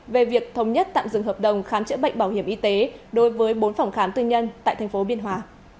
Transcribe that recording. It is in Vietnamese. về việc thống nhất tạm dừng hợp đồng khám chữa bệnh bảo hiểm y tế đối với bốn phòng khám tư nhân tại tp biên hòa